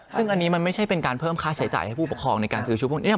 ซึ่งอันนี้มันไม่ใช่เป็นการเพิ่มค่าใช้จ่ายให้ผู้ปกครองในการซื้อชุดพวกนี้